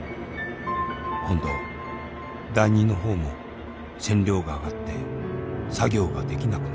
今度第二のほうも線量が上がって作業ができなくなっちゃう。